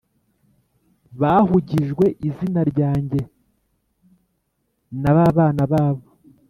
Bahugijwe Izina Ryanjye Na Nabana Babo